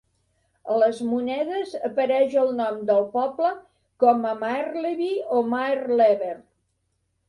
A les monedes apareix el nom del poble com a Maerlebi o Maerleber.